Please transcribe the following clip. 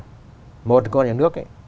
tại vì một con nhà nước